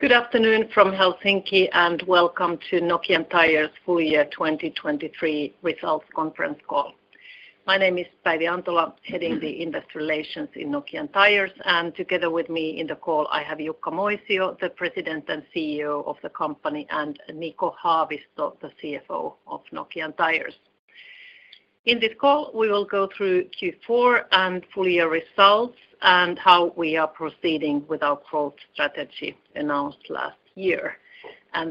Good afternoon from Helsinki, and welcome to Nokian Tyres' full year 2023 results conference call. My name is Päivi Antola, heading Investor Relations at Nokian Tyres, and together with me in the call, I have Jukka Moisio, the President and CEO of the company, and Niko Haavisto, the CFO of Nokian Tyres. In this call, we will go through Q4 and full year results and how we are proceeding with our growth strategy announced last year.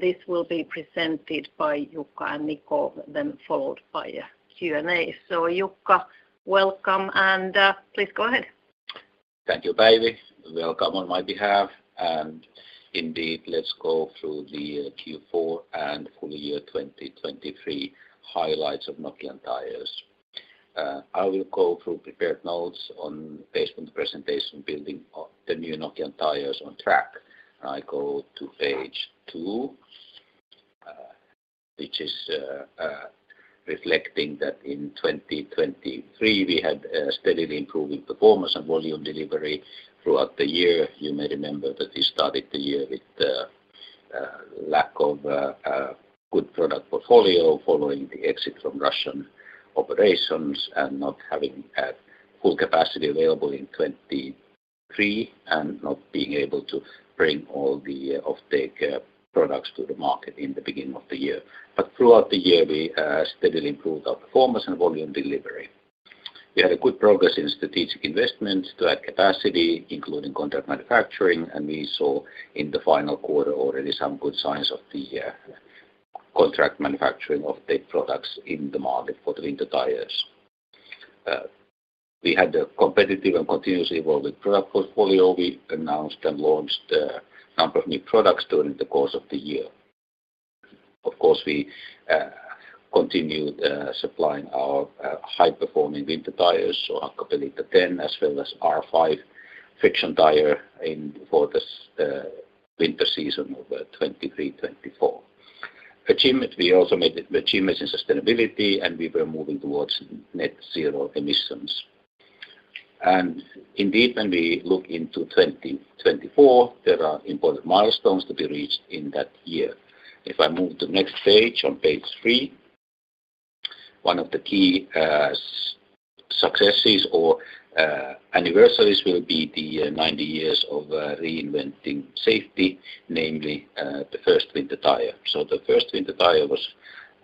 This will be presented by Jukka and Niko, then followed by a Q&A. So Jukka, welcome, and please go ahead. Thank you, Päivi. Welcome on my behalf, and indeed, let's go through the Q4 and full year 2023 highlights of Nokian Tyres. I will go through prepared notes based on the presentation, building of the new Nokian Tyres on track. I go to page 2, which is reflecting that in 2023, we had a steadily improving performance and volume delivery throughout the year. You may remember that we started the year with the lack of good product portfolio following the exit from Russian operations and not having a full capacity available in 2023, and not being able to bring all the offtake products to the market in the beginning of the year. But throughout the year, we steadily improved our performance and volume delivery. We had good progress in strategic investments to add capacity, including contract manufacturing, and we saw in the final quarter already some good signs of the contract manufacturing offtake products in the market for the winter tires. We had a competitive and continuously evolving product portfolio. We announced and launched a number of new products during the course of the year. Of course, we continued supplying our high-performing winter tires, so Hakkapeliitta Ten, as well as R5 friction tire in for this winter season of 2023-2024. Achievement, we also made achievements in sustainability, and we were moving towards net zero emissions. Indeed, when we look into 2024, there are important milestones to be reached in that year. If I move to next page, on page three, one of the key successes or anniversaries will be the 90 years of reinventing safety, namely the first winter tire. So the first winter tire was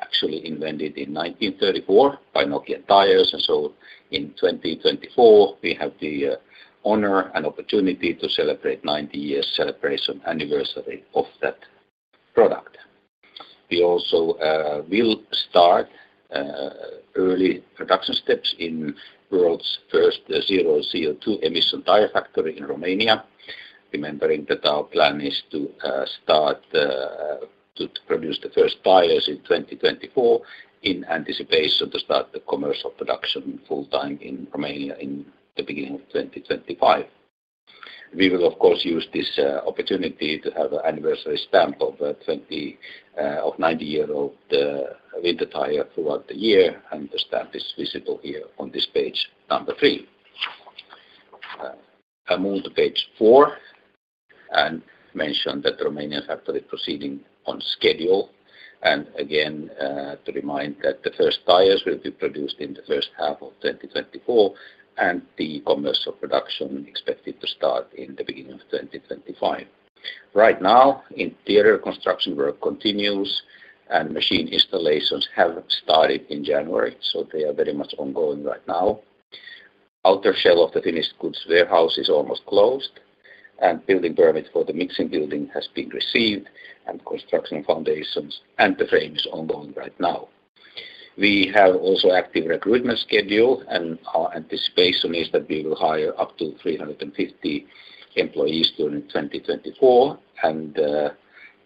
actually invented in 1934 by Nokian Tyres, and so in 2024, we have the honor and opportunity to celebrate 90 years celebration anniversary of that product. We also will start early production steps in world's first zero CO2 emission tire factory in Romania, remembering that our plan is to start to produce the first tires in 2024 in anticipation to start the commercial production full-time in Romania in the beginning of 2025. We will, of course, use this opportunity to have an anniversary stamp of 20 of 90-year-old winter tire throughout the year, and the stamp is visible here on this page number 3. I move to page 4 and mention that the Romanian factory is proceeding on schedule. Again, to remind that the first tires will be produced in the first half of 2024, and the commercial production expected to start in the beginning of 2025. Right now, interior construction work continues, and machine installations have started in January, so they are very much ongoing right now. Outer shell of the finished goods warehouse is almost closed, and building permit for the mixing building has been received, and construction foundations and the frame is ongoing right now. We have also active recruitment schedule, and our anticipation is that we will hire up to 350 employees during 2024, and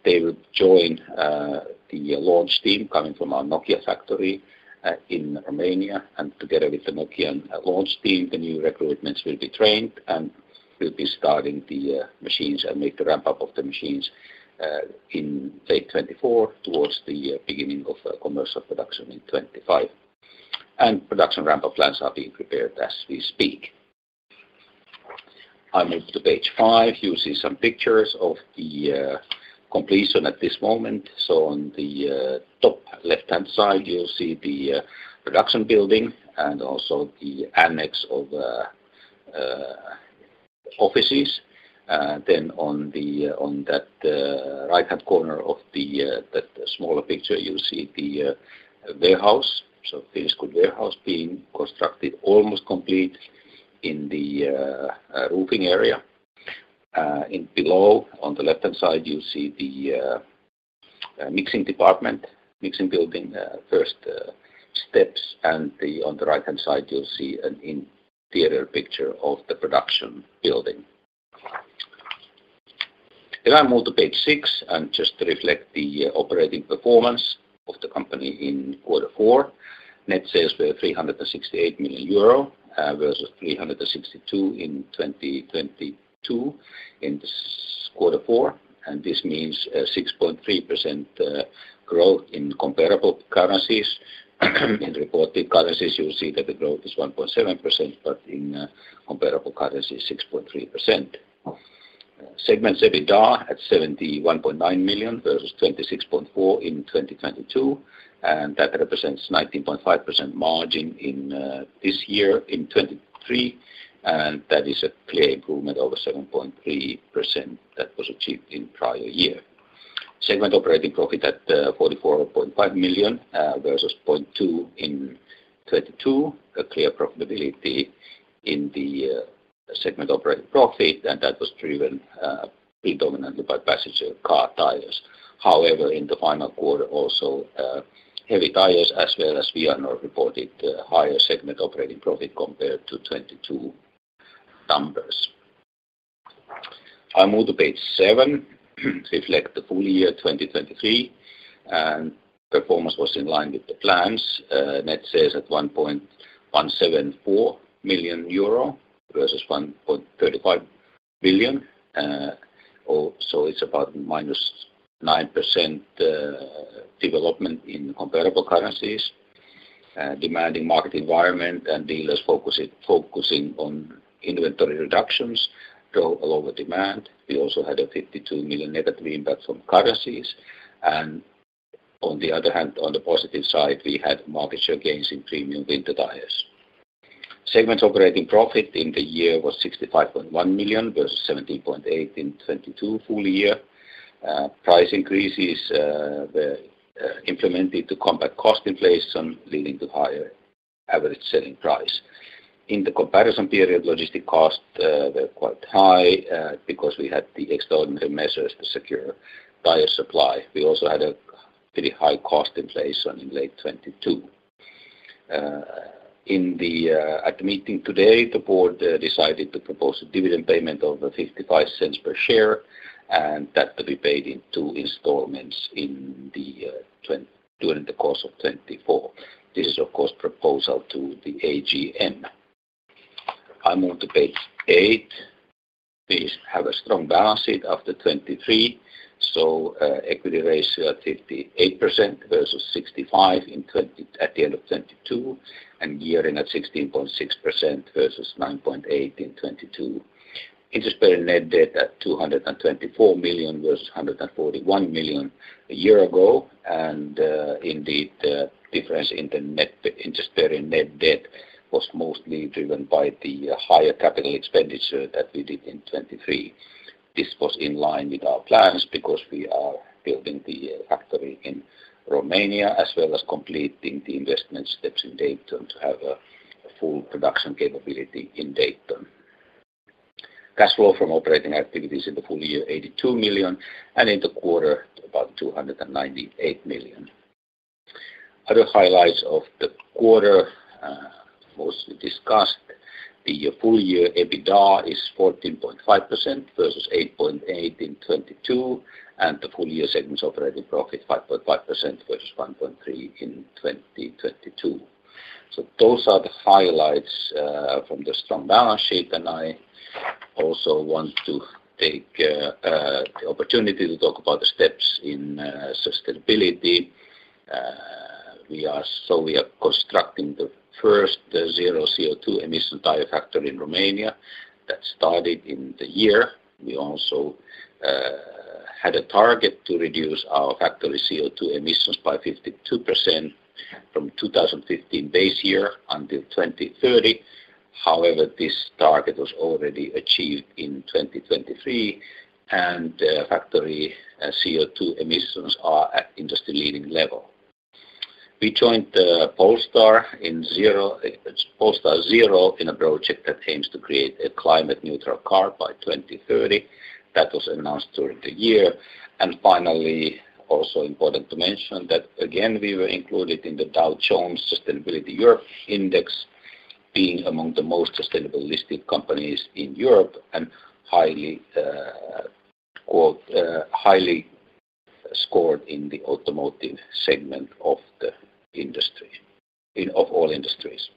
they will join the launch team coming from our Nokian factory in Romania, and together with the Nokian launch team, the new recruitments will be trained and will be starting the machines and make the ramp-up of the machines in late 2024 towards the beginning of commercial production in 2025. And production ramp-up plans are being prepared as we speak. I move to page 5. You'll see some pictures of the completion at this moment. So on the top left-hand side, you'll see the production building and also the annex of the offices. Then on the on that right-hand corner of the that smaller picture, you'll see the warehouse. So finished good warehouse being constructed, almost complete in the roofing area. In below, on the left-hand side, you'll see the mixing department, mixing building, first steps, and on the right-hand side, you'll see an interior picture of the production building. Then I move to page six, and just to reflect the operating performance of the company in quarter four. Net sales were 368 million euro versus 362 in 2022 in this quarter four, and this means a 6.3% growth in comparable currencies. In reported currencies, you'll see that the growth is 1.7%, but in comparable currency, 6.3%. Segment's EBITDA at 71.9 million versus 26.4 million in 2022, and that represents 19.5% margin in this year in 2023, and that is a clear improvement over 7.3% that was achieved in prior year. Segment operating profit at 44.5 million versus 0.2 million in 2022, a clear profitability in the segment operating profit, and that was driven predominantly by passenger car tires. However, in the final quarter, also heavy tires as well as Vianor reported higher segment operating profit compared to 2022 numbers. I move to page seven, reflect the full year 2023, and performance was in line with the plans. Net sales at 1.174 million euro versus 1.35 billion, or so it's about -9% development in comparable currencies. Demanding market environment and dealers focusing on inventory reductions drove lower demand. We also had a 52 million negative impact from currencies, and on the other hand, on the positive side, we had market share gains in premium winter tires. Segment operating profit in the year was 65.1 million versus 17.8 million in 2022 full year. Price increases were implemented to combat cost inflation, leading to higher average selling price. In the comparison period, logistic costs were quite high because we had the extraordinary measures to secure tire supply. We also had a pretty high cost inflation in late 2022. In the... At the meeting today, the board decided to propose a dividend payment of 0.55 per share, and that to be paid in two installments in the during the course of 2024. This is, of course, proposal to the AGM. I move to page 8. We have a strong balance sheet after 2023, so equity ratio at 58% versus 65% at the end of 2022, and gearing at 16.6% versus 9.8% in 2022. Interest-bearing net debt at 224 million versus 141 million a year ago, and indeed, the difference in the net interest-bearing net debt was mostly driven by the higher capital expenditure that we did in 2023. This was in line with our plans because we are building the factory in Romania, as well as completing the investment steps in Dayton to have a full production capability in Dayton. Cash flow from operating activities in the full year, 82 million, and in the quarter, about 298 million. Other highlights of the quarter, mostly discussed, the full year EBITDA is 14.5% versus 8.8% in 2022, and the full year segment's operating profit, 5.5% versus 1.3% in 2022. So those are the highlights from the strong balance sheet, and I also want to take the opportunity to talk about the steps in sustainability. So we are constructing the first zero CO2 emission tire factory in Romania. That started in the year. We also had a target to reduce our factory CO2 emissions by 52% from 2015 base year until 2030. However, this target was already achieved in 2023, and factory CO2 emissions are at industry-leading level. We joined the Polestar 0 project that aims to create a climate-neutral car by 2030. That was announced during the year. Finally, also important to mention that again, we were included in the Dow Jones Sustainability Europe Index, being among the most sustainable listed companies in Europe and highly scored in the automotive segment of the industry, one of all industries.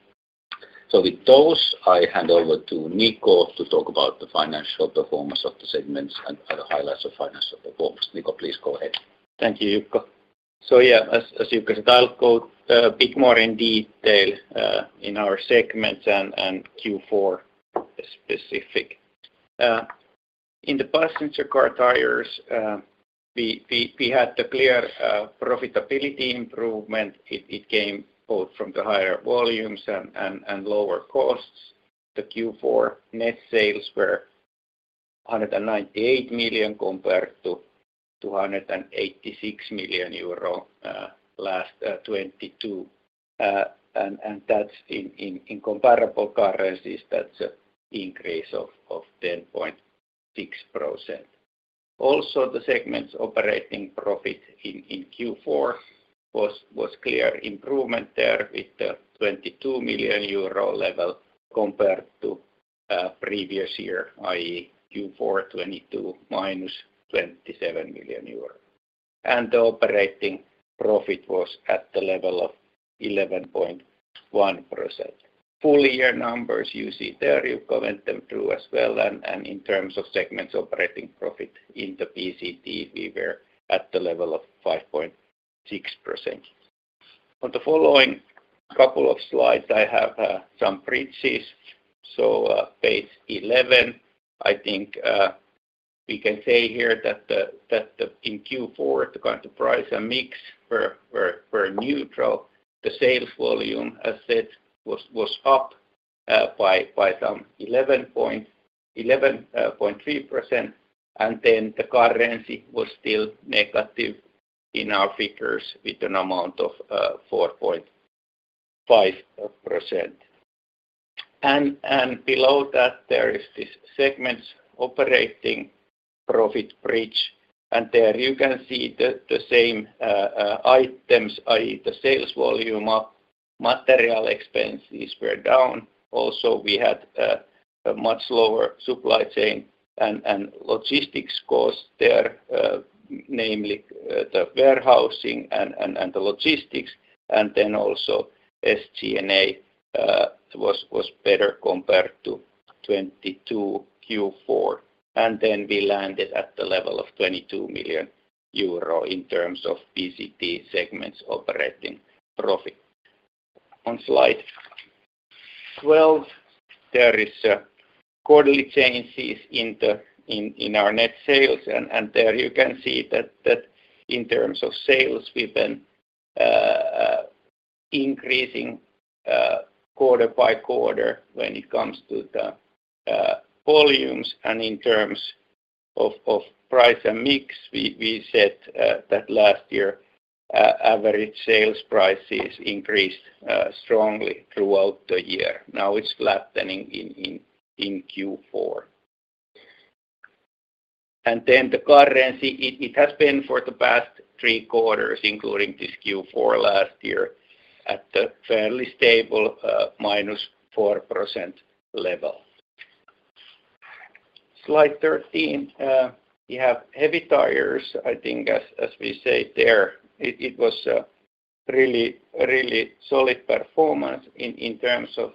With those, I hand over to Niko to talk about the financial performance of the segments and other highlights of financial performance. Niko, please go ahead. Thank you, Jukka. So yeah, as Jukka said, I'll go a bit more in detail in our segments and Q4 specific. In the passenger car tires, we had the clear profitability improvement. It came both from the higher volumes and lower costs. The Q4 net sales were 198 million compared to 286 million euro last 2022. And that's in comparable currencies, that's an increase of 10.6%. Also, the segment's operating profit in Q4 was clear improvement there with the 22 million euro level compared to previous year, i.e., Q4 2022, -27 million euros. And the operating profit was at the level of 11.1%. Full year numbers, you see there, you comment them through as well, and in terms of segments operating profit in the PCT, we were at the level of 5.6%. On the following couple of slides, I have some bridges. So, page eleven, I think, we can say here that in Q4, the current price and mix were neutral. The sales volume, as said, was up by some 11.3%, and then the currency was still negative in our figures with an amount of 4.5%. And below that, there is this segment's operating profit bridge, and there you can see the same items, i.e., the sales volume up, material expenses were down. Also, we had a much lower supply chain and logistics costs there, namely the warehousing and the logistics, and then also SG&A was better compared to 22 Q4. Then we landed at the level of 22 million euro in terms of PCT segment's operating profit. On slide 12, there is quarterly changes in our net sales, and there you can see that in terms of sales, we've been increasing quarter by quarter when it comes to the volumes. And in terms of price and mix, we said that last year average sales prices increased strongly throughout the year. Now, it's flattening in Q4. Then the currency, it has been for the past three quarters, including this Q4 last year, at a fairly stable -4% level. Slide 13, we have Heavy Tyres. I think as we say there, it was a really, really solid performance in terms of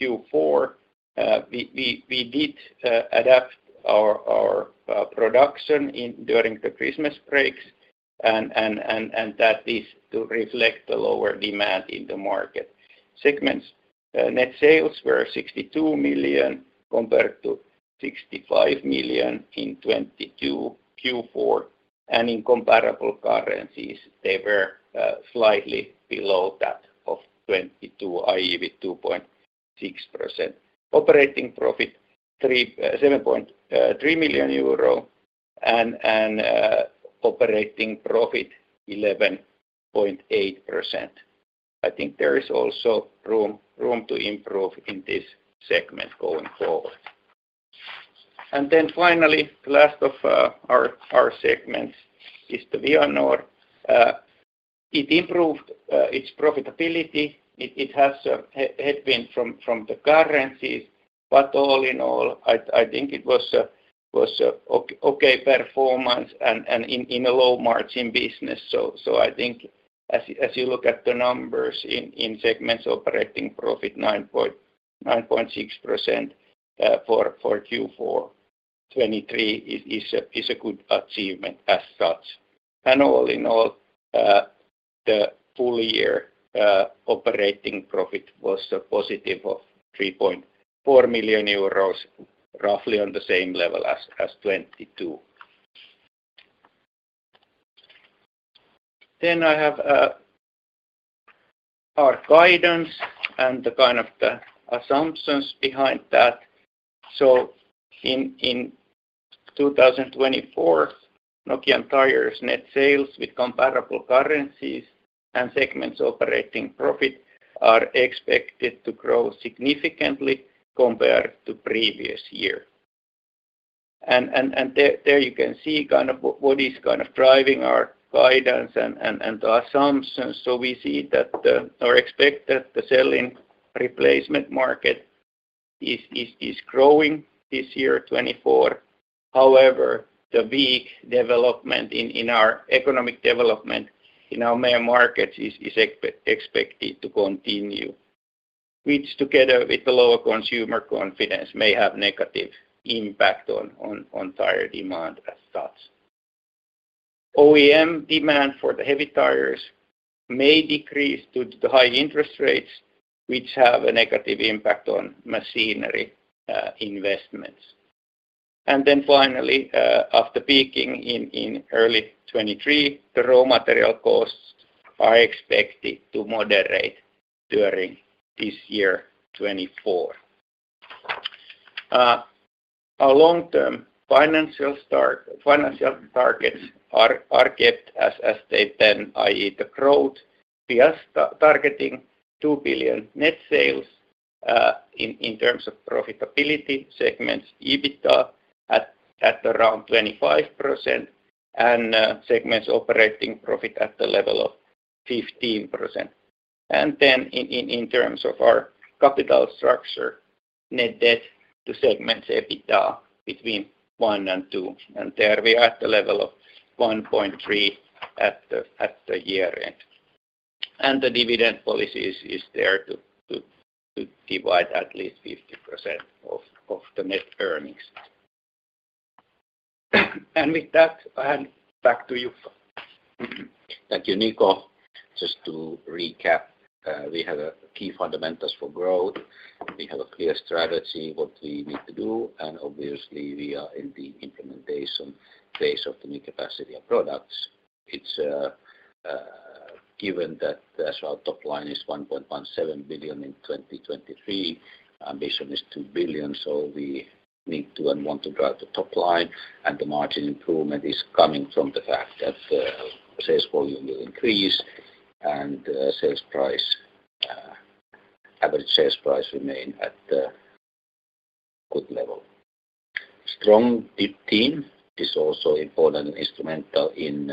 Q4. We did adapt our production during the Christmas breaks, and that is to reflect the lower demand in the market. The segment's net sales were 62 million compared to 65 million in 2022 Q4, and in comparable currencies, they were slightly below that of 2022, i.e., with 2.6%. Operating profit 37.3 million EUR and operating profit 11.8%. I think there is also room to improve in this segment going forward. And then finally, the last of our segments is the Vianor. It improved its profitability. It has a headwind from the currencies, but all in all, I think it was a okay performance and in a low-margin business. So I think as you look at the numbers in segments, operating profit 9.6%, for Q4 2023 is a good achievement as such. And all in all, the full year operating profit was a positive of 3.4 million euros, roughly on the same level as 2022. Then I have our guidance and the kind of the assumptions behind that. So in 2024, Nokian Tyres net sales with comparable currencies and segments operating profit are expected to grow significantly compared to previous year. And there you can see kind of what is kind of driving our guidance and assumptions. So we see that or expect that the selling replacement market is growing this year, 2024. However, the weak development in our economic development in our main markets is expected to continue, which, together with the lower consumer confidence, may have negative impact on tire demand as such. OEM demand for the Heavy Tyres may decrease due to the high interest rates, which have a negative impact on machinery investments. And then finally, after peaking in early 2023, the raw material costs are expected to moderate during this year, 2024. Our long-term financial targets are kept as they then, i.e., the growth. We are targeting 2 billion net sales, in terms of profitability, segments EBITDA at around 25% and segments operating profit at the level of 15%. And then in terms of our capital structure, net debt to segments EBITDA between 1 and 2, and there we are at the level of 1.3 at the year end. And the dividend policy is there to divide at least 50% of the net earnings. And with that, I hand back to you. Thank you, Niko. Just to recap, we have key fundamentals for growth. We have a clear strategy, what we need to do, and obviously, we are in the implementation phase of the new capacity and products. It's given that the actual top line is 1.17 billion in 2023, ambition is 2 billion, so we need to and want to drive the top line, and the margin improvement is coming from the fact that sales volume will increase and sales price, average sales price remain at a good level. Strong deep team is also important and instrumental in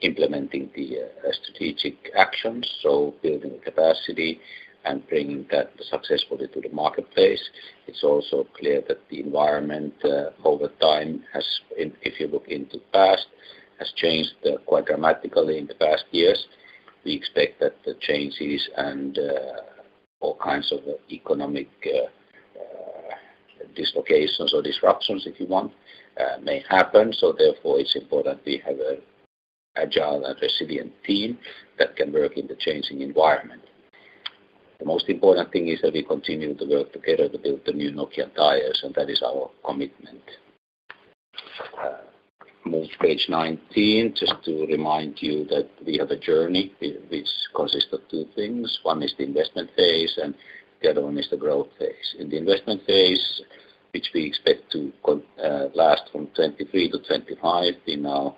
implementing the strategic actions, so building capacity and bringing that successfully to the marketplace. It's also clear that the environment over time has, if you look into past, has changed quite dramatically in the past years. We expect that the changes and all kinds of economic dislocations or disruptions, if you want, may happen. So therefore, it's important we have an agile and resilient team that can work in the changing environment. The most important thing is that we continue to work together to build the new Nokian Tyres, and that is our commitment. Move to page 19, just to remind you that we have a journey which consists of two things. One is the investment phase, and the other one is the growth phase. In the investment phase, which we expect to last from 2023 to 2025, we now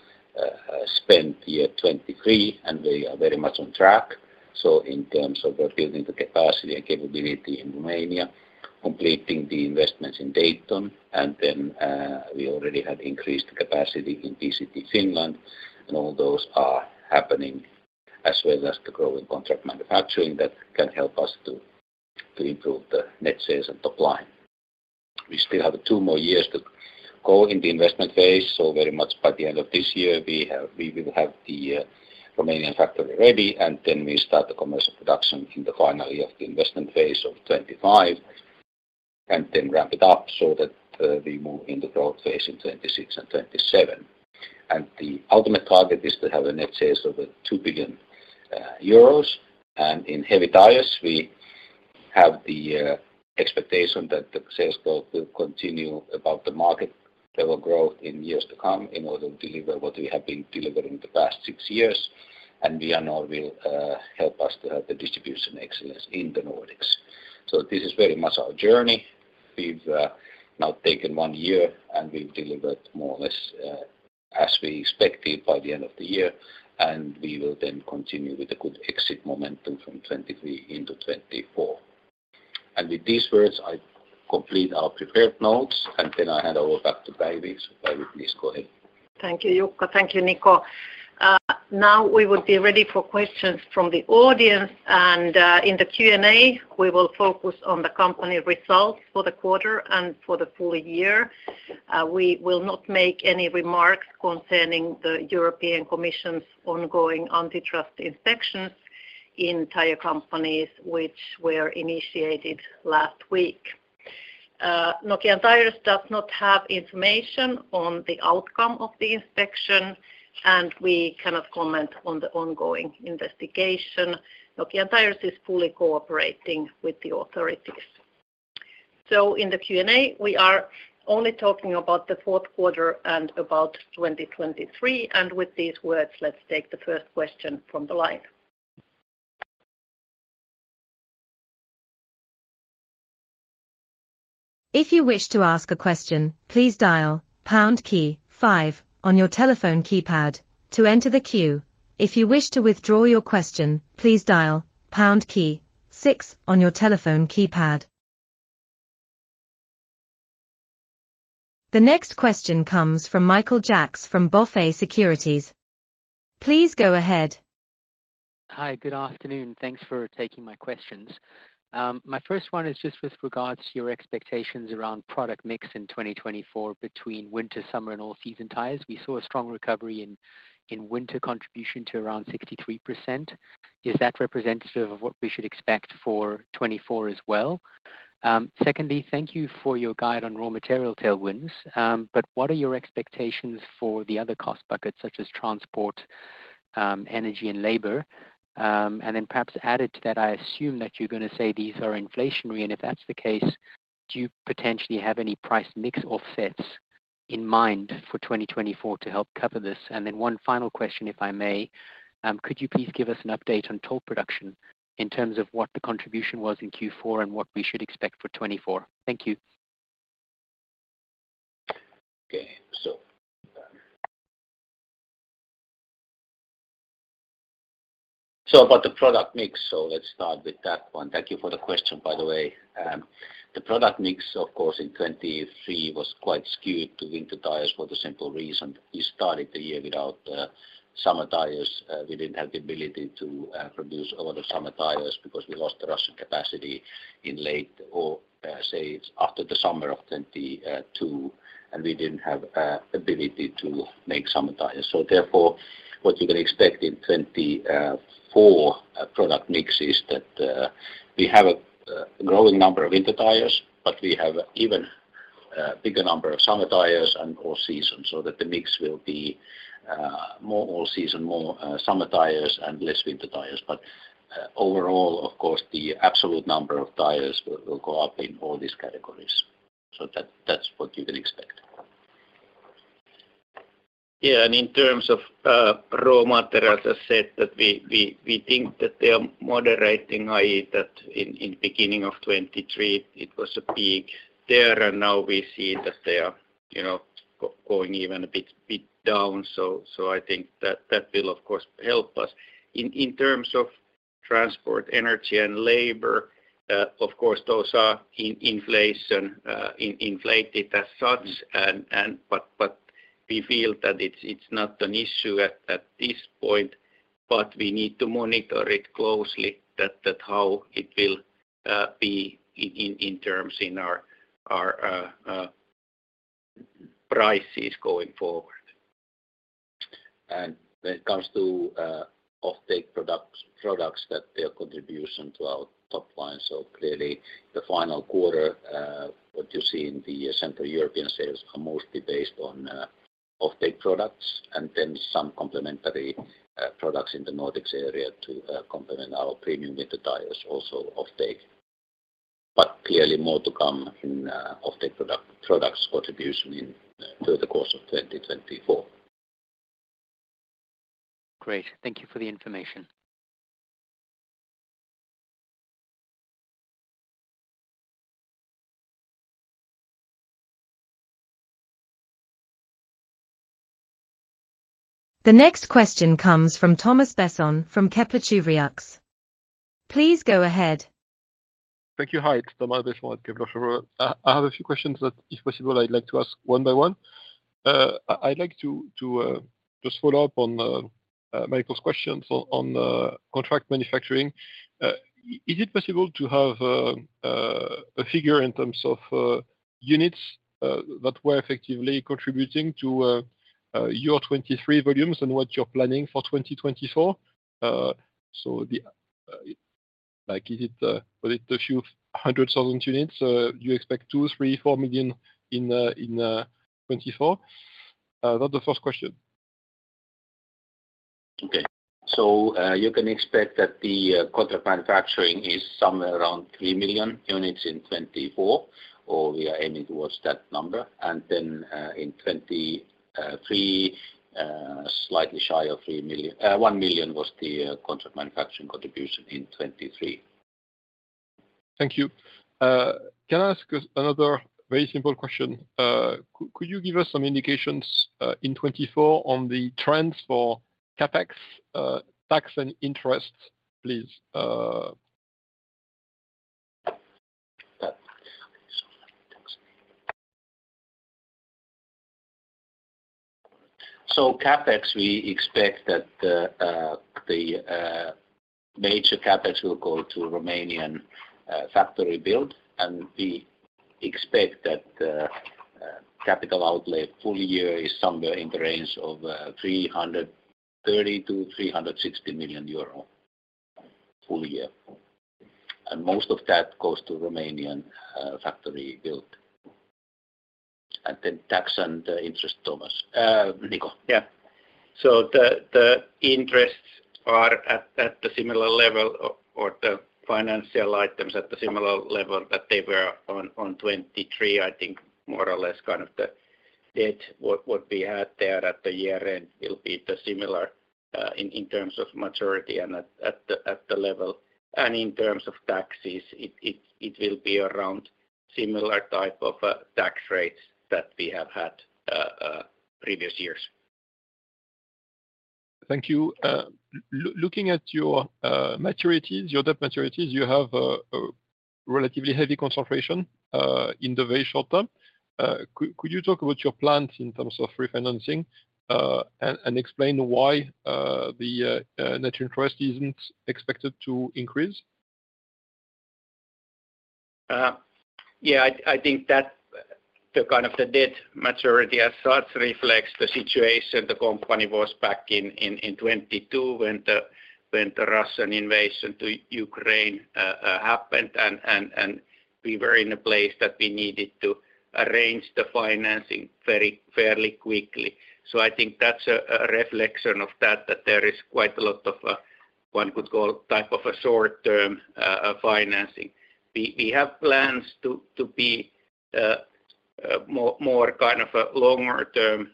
spend year 2023, and we are very much on track. So in terms of building the capacity and capability in Romania, completing the investments in Dayton, and then we already have increased capacity in PCT, Finland, and all those are happening as well as the growing contract manufacturing that can help us to improve the net sales and top line. We still have two more years to go in the investment phase, so very much by the end of this year, we will have the Romanian factory ready, and then we start the commercial production in the finally of the investment phase of 25, and then wrap it up so that we move in the growth phase in 26 and 27. And the ultimate target is to have a net sales of 2 billion euros. In heavy tires, we have the expectation that the sales growth will continue about the market level growth in years to come in order to deliver what we have been delivering the past six years, and Vianor will help us to have the distribution excellence in the Nordics. So this is very much our journey. We've now taken one year, and we've delivered more or less as we expected by the end of the year, and we will then continue with a good exit momentum from 2023 into 2024. And with these words, I complete our prepared notes, and then I hand over back to Päivi. So Päivi, please go ahead. Thank you, Jukka. Thank you, Niko. Now, we would be ready for questions from the audience, and in the Q&A, we will focus on the company results for the quarter and for the full year. We will not make any remarks concerning the European Commission's ongoing antitrust inspections in tire companies which were initiated last week. Nokian Tyres does not have information on the outcome of the inspection, and we cannot comment on the ongoing investigation. Nokian Tyres is fully cooperating with the authorities. So in the Q&A, we are only talking about the Q4 and about 2023, and with these words, let's take the first question from the line. If you wish to ask a question, please dial pound key five on your telephone keypad to enter the queue. If you wish to withdraw your question, please dial pound key six on your telephone keypad. The next question comes from Michael Jacks from BofA Securities. Please go ahead. Hi, good afternoon. Thanks for taking my questions. My first one is just with regards to your expectations around product mix in 2024 between winter, summer, and all season tires. We saw a strong recovery in winter contribution to around 63%. Is that representative of what we should expect for 2024 as well? Secondly, thank you for your guide on raw material tailwinds, but what are your expectations for the other cost buckets such as transport, energy, and labor? And then perhaps added to that, I assume that you're going to say these are inflationary, and if that's the case, do you potentially have any price mix offsets in mind for 2024 to help cover this? And then one final question, if I may. Could you please give us an update on toll production in terms of what the contribution was in Q4 and what we should expect for 2024? Thank you. Okay, so about the product mix, so let's start with that one. Thank you for the question, by the way. The product mix, of course, in 2023, was quite skewed to winter tires for the simple reason, we started the year without summer tires. We didn't have the ability to produce a lot of summer tires because we lost the Russian capacity in late or, say, after the summer of 2022, and we didn't have ability to make summer tires. So therefore, what you can expect in 2024 product mix is that, we have a growing number of winter tires, but we have bigger number of summer tires and all season, so that the mix will be more all season, more summer tires and less winter tires. Overall, of course, the absolute number of tires will go up in all these categories. So that's what you can expect. Yeah, and in terms of raw material, as I said, we think that they are moderating, i.e., that in beginning of 2023, it was a peak there, and now we see that they are, you know, going even a bit down. So I think that will, of course, help us. In terms of transport, energy and labor, of course, those are in inflation, inflated as such, but we feel that it's not an issue at this point, but we need to monitor it closely, how it will be in terms of our prices going forward. And when it comes to offtake products, products that their contribution to our top line, so clearly the final quarter, what you see in the Central European sales are mostly based on offtake products, and then some complementary products in the Nordics area to complement our premium winter tires, also offtake. But clearly more to come in offtake product products contribution in through the course of 2024. Great. Thank you for the information. The next question comes from Thomas Besson from Kepler Cheuvreux. Please go ahead. Thank you. Hi, it's Thomas Besson from Kepler Cheuvreux. I have a few questions that, if possible, I'd like to ask one by one. I'd like to just follow up on Michael's question. So on contract manufacturing, is it possible to have a figure in terms of units that were effectively contributing to your 2023 volumes and what you're planning for 2024? So the, like, is it was it a few hundred thousand units? You expect 2, 3, 4 million in 2024? That's the first question. Okay. So, you can expect that the contract manufacturing is somewhere around 3 million units in 2024, or we are aiming towards that number. And then, in 2023, slightly shy of 3 million. One million was the contract manufacturing contribution in 2023. Thank you. Can I ask another very simple question? Could you give us some indications in 2024 on the trends for CapEx, tax and interest, please? So CapEx, we expect that the major CapEx will go to Romanian factory build, and we expect that the capital outlay full year is somewhere in the range of 330 million-360 million euro, full year. Most of that goes to Romanian factory build. Then tax and interest, Thomas, Niko. Yeah. So the interests are at the similar level or the financial items at the similar level that they were on 2023, I think more or less kind of the debt what we had there at the year end will be the similar in terms of maturity and at the level, and in terms of taxes, it will be around similar type of tax rates that we have had previous years. Thank you. Looking at your maturities, your debt maturities, you have a relatively heavy concentration in the very short term. Could you talk about your plans in terms of refinancing, and explain why the net interest isn't expected to increase? Yeah, I think that the kind of the debt maturity as such reflects the situation the company was back in 2022 when the Russian invasion to Ukraine happened, and we were in a place that we needed to arrange the financing very fairly quickly. So I think that's a reflection of that, that there is quite a lot of, one could call type of a short-term financing. We have plans to be more kind of a longer term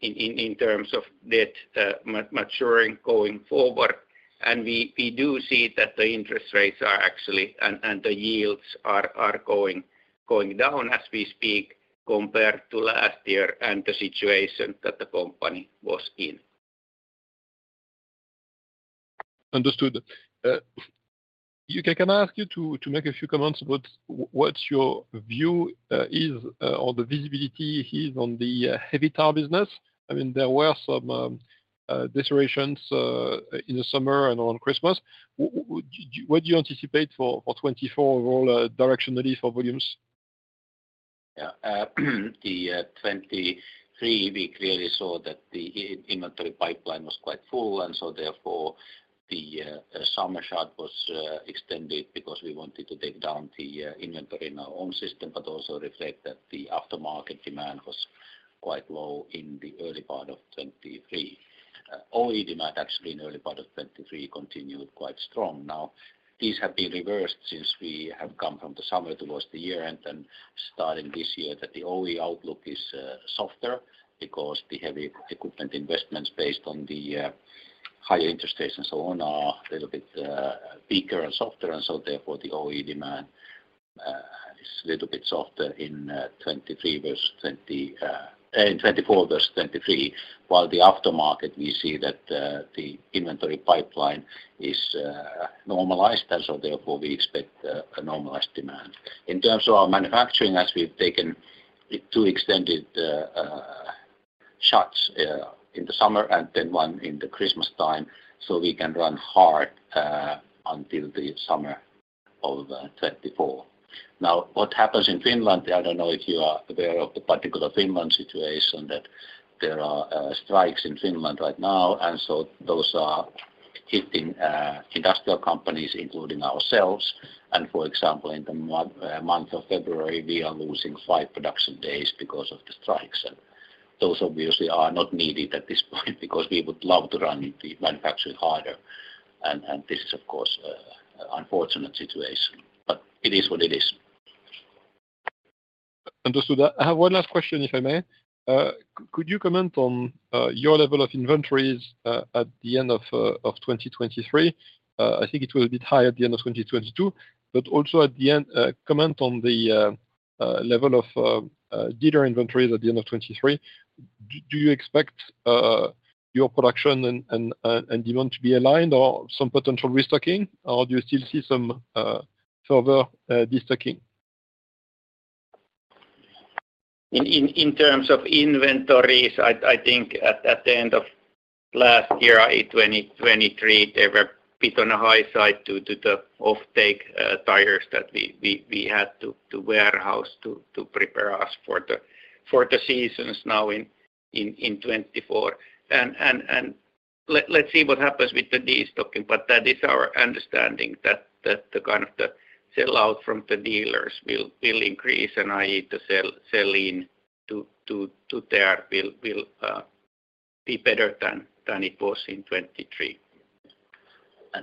in terms of debt maturing going forward. We do see that the interest rates are actually, and the yields are going down as we speak, compared to last year and the situation that the company was in. Understood. Can I ask you to make a few comments about what's your view or the visibility is on the Heavy Tyres business? I mean, there were some decelerations in the summer and on Christmas. What do you anticipate for 2024 overall, directionally for volumes? Yeah, the 2023, we clearly saw that the inventory pipeline was quite full, and so therefore, the summer stock was extended because we wanted to take down the inventory in our own system, but also reflect that the aftermarket demand was quite low in the early part of 2023. OE demand actually in early part of 2023 continued quite strong. Now, these have been reversed since we have come from the summer towards the year-end, and, starting this year, the OE outlook is softer because the heavy equipment investments based on the higher interest rates and so on are a little bit weaker and softer, and so therefore, the OE demand is a little bit softer in 2023 versus 2022, in 2024 versus 2023, while the aftermarket, we see that the inventory pipeline is normalized, and so therefore, we expect a normalized demand. In terms of our manufacturing, as we've taken 2 extended shots in the summer and then 1 in the Christmas time, so we can run hard until the summer of 2024. Now, what happens in Finland, I don't know if you are aware of the particular Finland situation, that there are strikes in Finland right now, and so those are hitting industrial companies, including ourselves. And for example, in the month of February, we are losing five production days because of the strikes, and those obviously are not needed at this point because we would love to run the manufacturing harder. And, and this is, of course, a, an unfortunate situation, but it is what it is. Understood. I have one last question, if I may. Could you comment on your level of inventories at the end of 2023? I think it was a bit high at the end of 2022, but also at the end, comment on the level of dealer inventories at the end of 2023. Do you expect your production and demand to be aligned or some potential restocking, or do you still see some further destocking? In terms of inventories, I think at the end of last year, 2023, they were a bit on the high side due to the off-take tires that we had to warehouse to prepare us for the seasons now in 2024. And let's see what happens with the destocking, but that is our understanding that the kind of the sell-out from the dealers will increase, and i.e., the sell-in to there will be better than it was in 2023.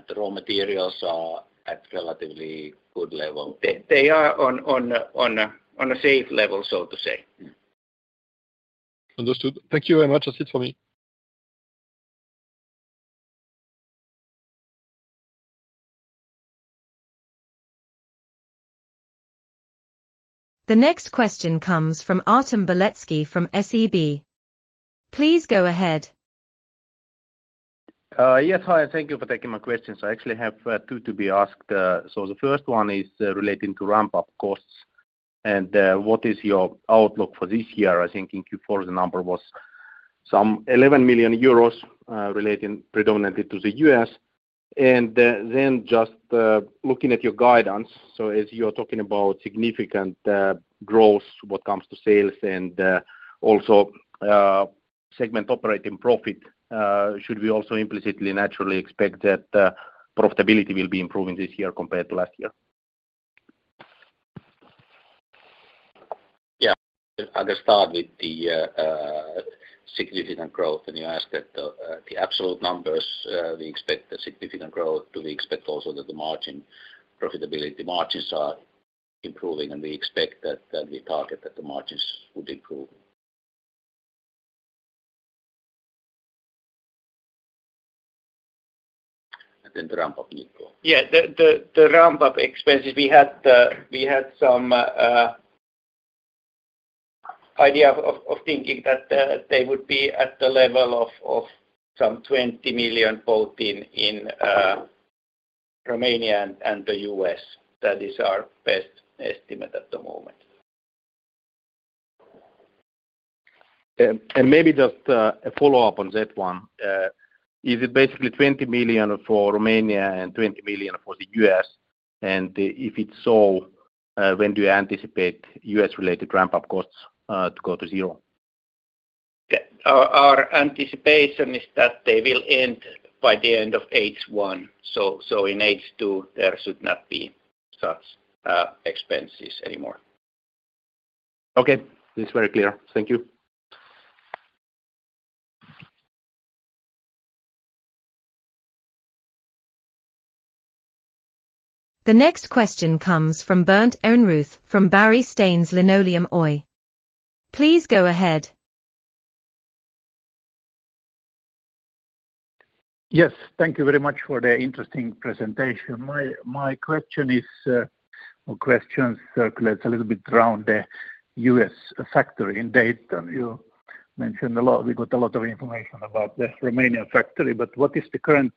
The raw materials are at relatively good level. They are on a safe level, so to say. Understood. Thank you very much. That's it for me. The next question comes from Artem Beletsky from SEB. Please go ahead. Yes, hi, and thank you for taking my questions. I actually have two to be asked. So the first one is relating to ramp-up costs and what is your outlook for this year? I think in Q4, the number was some 11 million euros relating predominantly to the US. Then just looking at your guidance, so as you're talking about significant growth, what comes to sales and also segment operating profit, should we also implicitly, naturally expect that profitability will be improving this year compared to last year? Yeah, I'll just start with the significant growth, and you asked that the absolute numbers, we expect a significant growth. Do we expect also that the margin profitability margins are improving? And we expect that, that we target that the margins would improve. And then the ramp-up, Niko. Yeah, the ramp-up expenses, we had some idea of thinking that they would be at the level of some 20 million, both in Romania and the US. That is our best estimate at the moment. And maybe just a follow-up on that one. Is it basically 20 million for Romania and 20 million for the US? And if it's so, when do you anticipate US-related ramp-up costs to go to zero? Yeah. Our anticipation is that they will end by the end of H1, so in H2, there should not be such expenses anymore. Okay. It's very clear. Thank you. The next question comes from Bernt Ehrnrooth, from Barry Staines Linoleum Oy. Please go ahead. Yes, thank you very much for the interesting presentation. My question is, or questions circulates a little bit around the U.S. factory in Dayton. You mentioned a lot. We got a lot of information about the Romanian factory, but what is the current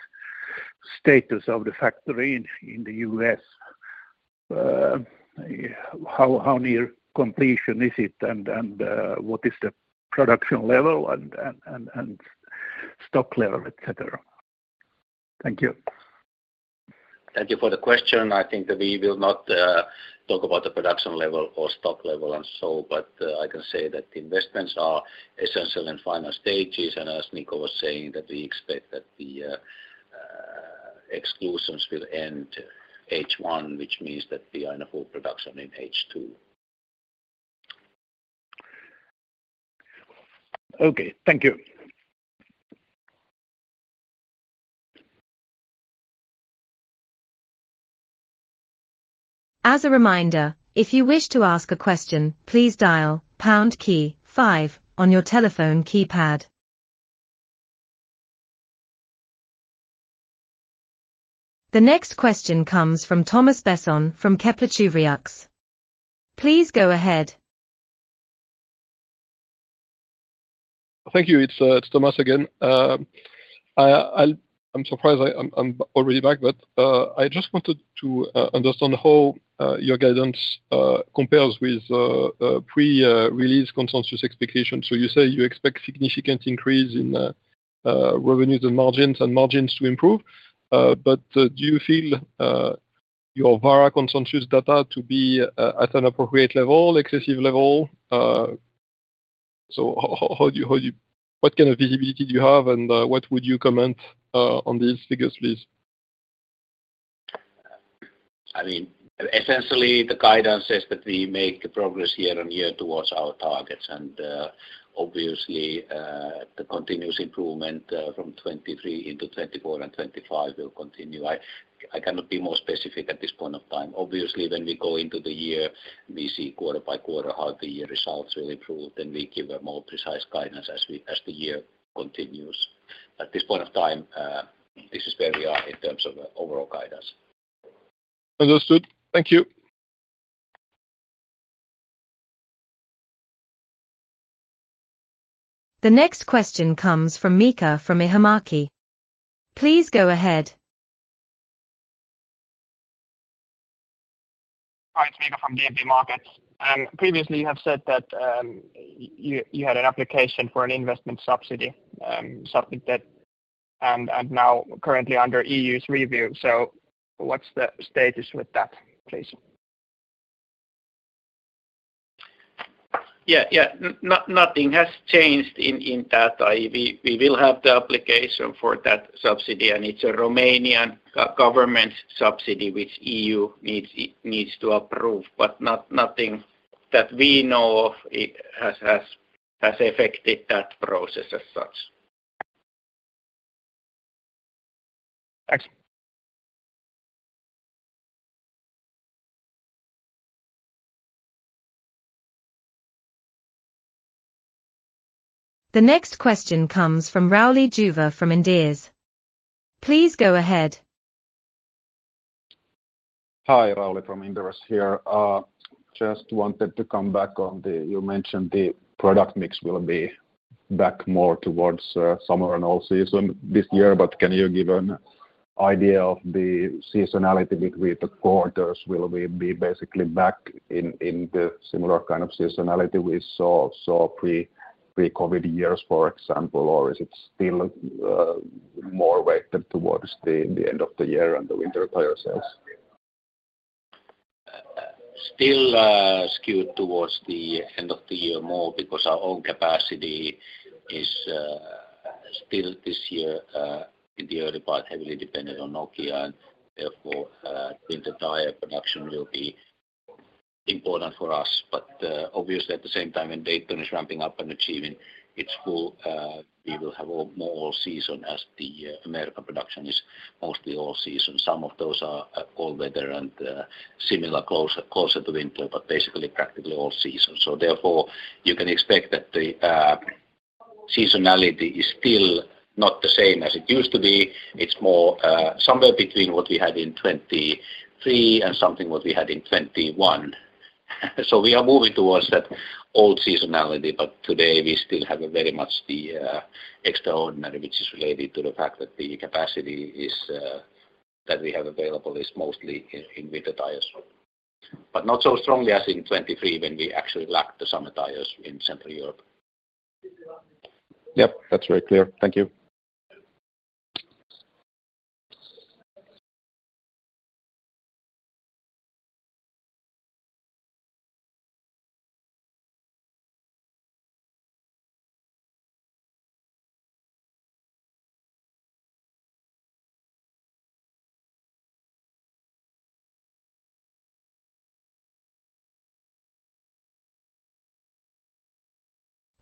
status of the factory in the U.S.? How near completion is it, and what is the production level and stock level, et cetera? Thank you. Thank you for the question. I think that we will not talk about the production level or stock level and so, but I can say that the investments are essentially in final stages, and as Niko was saying, that we expect that the exclusions will end H1, which means that the annual full production in H2. Okay, thank you. As a reminder, if you wish to ask a question, please dial pound key five on your telephone keypad. The next question comes from Thomas Besson from Kepler Cheuvreux. Please go ahead. Thank you. It's Thomas again. I'm surprised I'm already back, but I just wanted to understand how your guidance compares with pre-release consensus expectations. So you say you expect significant increase in revenues and margins, and margins to improve. But do you feel your VAR consensus data to be at an appropriate level, excessive level? So how do you, how do you what kind of visibility do you have, and what would you comment on these figures, please? I mean, essentially, the guidance says that we make progress year on year towards our targets, and, obviously, the continuous improvement from 2023 into 2024 and 2025 will continue. I, I cannot be more specific at this point of time. Obviously, when we go into the year, we see quarter by quarter how the year results will improve, then we give a more precise guidance as the year continues. At this point of time, this is where we are in terms of overall guidance. Understood. Thank you. The next question comes from Mika Ihamäki. Please go ahead. Hi, it's Miika Ihamäki from DNB Markets. Previously, you have said that you had an application for an investment subsidy, something that and now currently under EU's review. So what's the status with that, please? Yeah, yeah. Nothing has changed in that. We will have the application for that subsidy, and it's a Romanian government subsidy, which EU needs to approve, but nothing that we know of has affected that process as such. Thanks. The next question comes from Rauli Juva from Inderes. Please go ahead. Hi, Raouli from Inderes here. Just wanted to come back on the... You mentioned the product mix will be back more towards summer and all season this year, but can you give an idea of the seasonality between the quarters? Will we be basically back in the similar kind of seasonality we saw pre-COVID years, for example, or is it still more weighted towards the end of the year and the winter tire sales? Still, skewed towards the end of the year more because our own capacity is still this year, in the early part, heavily dependent on Nokia, and therefore, winter tire production will be important for us. But, obviously at the same time, when Dayton is ramping up and achieving its full, we will have all more all season as the American production is mostly all season. Some of those are all weather and similar, closer, closer to winter, but basically practically all season. So therefore, you can expect that the seasonality is still not the same as it used to be. It's more somewhere between what we had in 2023 and something what we had in 2021. So we are moving towards that old seasonality, but today we still have a very much the extraordinary, which is related to the fact that the capacity is that we have available is mostly in winter tires. But not so strongly as in 2023, when we actually lacked the summer tires in Central Europe. Yep, that's very clear. Thank you.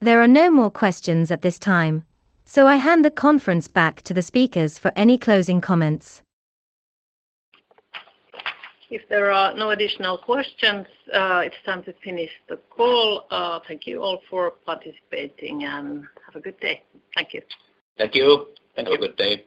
There are no more questions at this time, so I hand the conference back to the speakers for any closing comments. If there are no additional questions, it's time to finish the call. Thank you all for participating, and have a good day. Thank you. Thank you. Thank you. Have a good day.